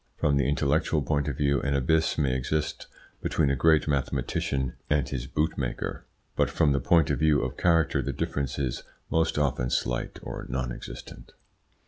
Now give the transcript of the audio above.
From the intellectual point of view an abyss may exist between a great mathematician and his boot maker, but from the point of view of character the difference is most often slight or non existent.